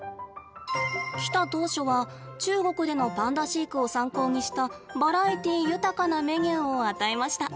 来た当初は中国でのパンダ飼育を参考にしたバラエティー豊かなメニューを与えました。